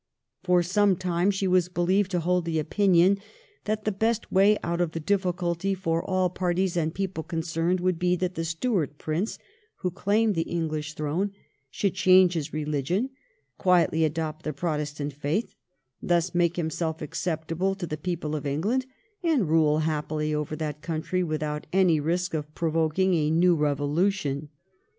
For some time she was believed to hold the opinion that the best way out of the diffi culty, for all parties and peoples concerned, would be that the Stuart Prince who claimed the British throne should change his religion, quietly adopt the Protestant faith, thus make himself acceptable to the people of England, and rule happily over that country without any risk of provoking a new revolution.